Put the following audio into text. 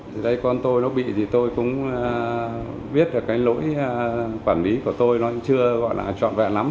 thì đây con tôi nó bị thì tôi cũng biết là cái lỗi quản lý của tôi nó chưa gọi là trọn vẹn lắm